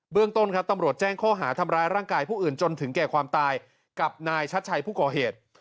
เรื่องต้นครับตำรวจแจ้งข้อหาทำร้ายร่างกายผู้อื่นจนถึงแก่ความตายกับนายชัดชัยผู้ก่อเหตุ